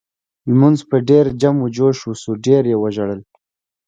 لمونځ په ډېر جم و جوش وشو ډېر یې وژړل.